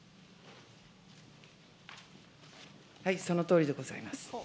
はい、そのとおりでございます。